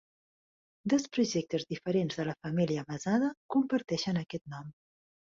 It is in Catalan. Dos projectes diferents de la família Masada comparteixen aquest nom.